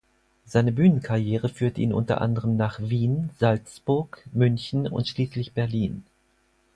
Seine Bühnenkarriere führte ihn unter anderem nach Wien, Salzburg, München und schließlich Berlin.